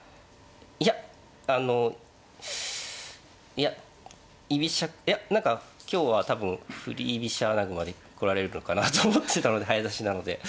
いやあのいや居飛車いや今日は多分振り飛車穴熊で来られるのかなと思ってたので早指しなので。